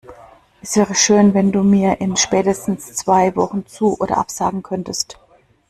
Es wäre schön, wenn du mir in spätestens zwei Wochen zu- oder absagen könntest.